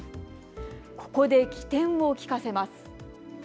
ここで機転を利かせます。